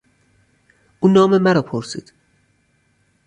او نام مرا پرسید.